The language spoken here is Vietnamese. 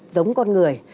giống con người